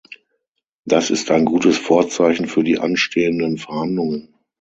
Das ist ein gutes Vorzeichen für die anstehenden Verhandlungen.